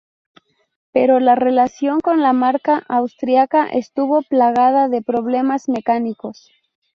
Pero la relación con la marca austríaca estuvo plagada de problemas mecánicos.